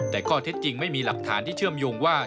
แต่ข้อเท็จจริงไม่มีหลักฐานที่เชื่อมโยงว่า